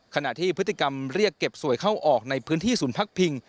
ขณะที่พฤติกรรมเรียกเก็บสวยเข้าออกในพื้นที่ศูนย์พักพิง